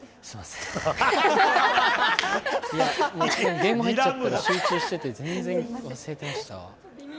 ゲーム入っちゃったら集中してて、全然忘れてました。